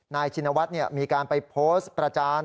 นายชินวัฒน์เนี่ยมีการไปโพสต์ประจาน